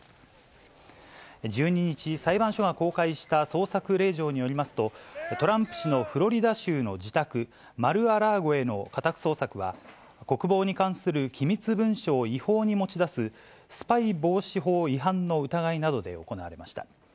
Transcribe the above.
１２日、裁判所が公開した捜索令状によりますと、トランプ氏のフロリダ州の自宅、マル・ア・ラーゴへの家宅捜索は、国防に関する機密文書を違法に持ち出す、スパイ防止法違反の疑いなどで行われました。